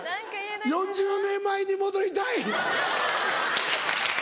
４０年前に戻りたい！